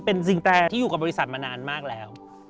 เป็นซิงแตรที่อยู่กับบริษัทมานานมากแล้ว